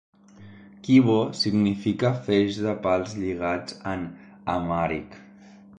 "Chibo" significa "feix de pals lligats" en amhàric.